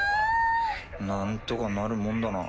なんとかなるもんだな。